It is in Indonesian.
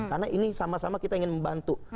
karena ini sama sama kita ingin membantu